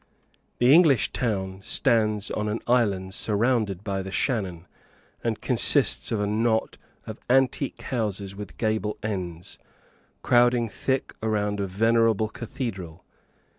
The English town stands on an island surrounded by the Shannon, and consists of a knot of antique houses with gable ends, crowding thick round a venerable cathedral.